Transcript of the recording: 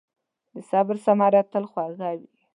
د صبر ثمره تل خوږه وي.